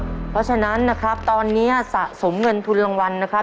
เพราะฉะนั้นนะครับตอนนี้สะสมเงินทุนรางวัลนะครับ